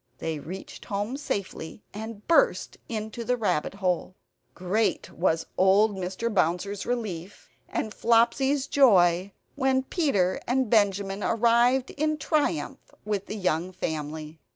They reached home safely, and burst into the rabbit hole. Great was old Mr. Bouncer's relief and Flopsy's joy when Peter and Benjamin arrived in triumph with the young family.